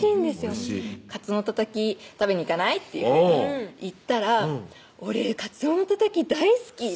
おいしい「かつおのたたき食べに行かない？」って言ったら「俺かつおのたたき大好き！」